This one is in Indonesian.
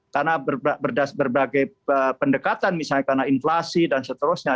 karena berbagai pendekatan misalnya karena inflasi dan seterusnya